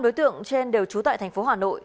bốn đối tượng trên đều trú tại thành phố hà nội